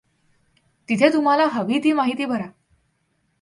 तिथे तुम्हाला हवी ती माहिती भरा.